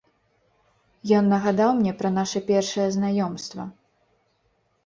Ён нагадаў мне пра наша першае знаёмства.